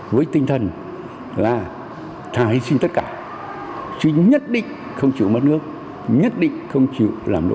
với tinh thần là thả hy sinh tất cả chứ nhất định không chịu mất nước nhất định không chịu làm nô lệ